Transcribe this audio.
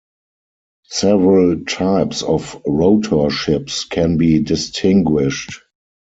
Several types of rotor ships can be distinguished.